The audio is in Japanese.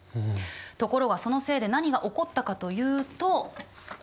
ところがそのせいで何が起こったかというと。